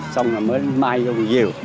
xong rồi mới mai vô con diều